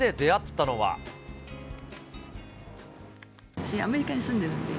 私、アメリカに住んでるので。